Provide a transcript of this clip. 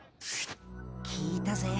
聞いたぜ。